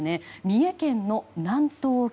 三重県の南東沖。